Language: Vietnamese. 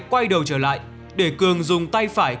quay đầu trở lại để cường dùng tay phải